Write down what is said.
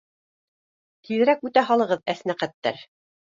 Тиҙерәк үтә һалығыҙ, аснәҡәттәр.